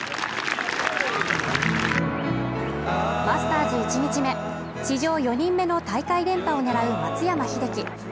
マスターズ１日目史上４人目の大会連覇を狙う松山英樹